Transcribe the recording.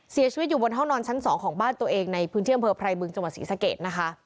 เสียชีวิตอยู่บนห้องนอนชั้น๒ของบ้านตัวเองในพื้นที่อำเภอไพรบึงจังหวัดศรีสะเกดนะคะ